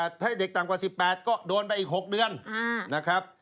ให้เด็กต่ำกว่า๑๘ก็โดนไปอีก๖เดือน